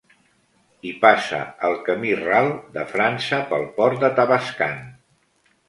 Hi passa el camí ral de França pel Port de Tavascan.